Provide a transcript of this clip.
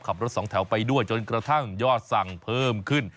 ขับรถสองแถวไปด้วยจนกระทั่งยอดสั่งเพิ่มขึ้น